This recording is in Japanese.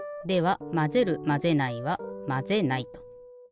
ではまぜるまぜないはまぜないと。